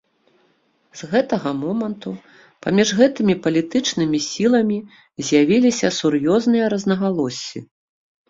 З гэтага моманту паміж гэтымі палітычнымі сіламі з'явіліся сур'ёзныя рознагалоссі.